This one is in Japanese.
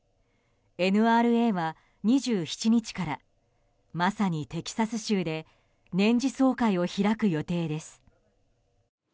ＮＲＡは２７日からまさにテキサス州で年次総会を開く予定です。